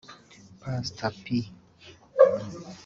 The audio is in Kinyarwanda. Pastor P